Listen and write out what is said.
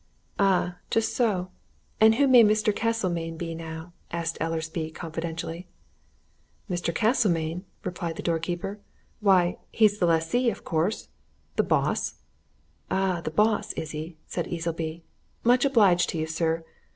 "Ah, just so and who may Mr. Castlemayne be, now?" asked Easleby confidentially. "Mr. Castlemayne?" repeated the door keeper. "Why, he's the lessee, of course! the boss!" "Ah, the boss, is he?" said Easleby. "Much obliged to you, sir.